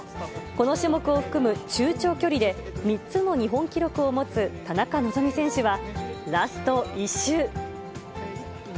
この種目を含む中長距離で、３つの日本記録を持つ田中希実選手は、ラスト１周。